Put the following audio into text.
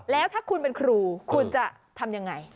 แล้วถ้าคุณเป็นครูคุณจะทำยังไง